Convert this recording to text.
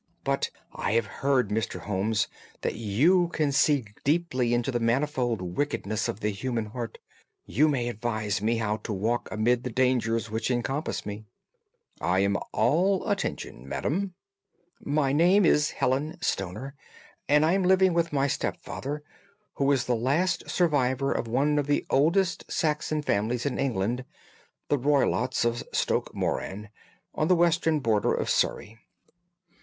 But I have heard, Mr. Holmes, that you can see deeply into the manifold wickedness of the human heart. You may advise me how to walk amid the dangers which encompass me." "I am all attention, madam." "My name is Helen Stoner, and I am living with my stepfather, who is the last survivor of one of the oldest Saxon families in England, the Roylotts of Stoke Moran, on the western border of Surrey."